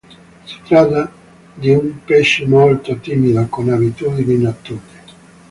Si tratta di un pesce molto timido, con abitudini notturne.